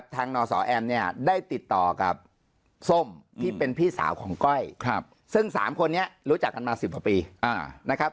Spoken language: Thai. ทางนสแอมได้ติดต่อกับส้มที่เป็นพี่สาวของก้อยซึ่ง๓คนนี้รู้จักกันมา๑๐ปี